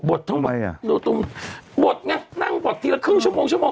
มันเป็นสุขุนาภาษณ์น่ะบดตรงนั่งบดทีละครึ่งชั่วโมงชั่วโมง